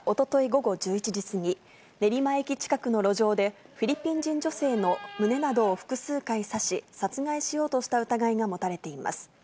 午後１１時過ぎ、練馬駅近くの路上で、フィリピン人女性の胸などを複数回刺し、殺害しようとした疑いが持たれています。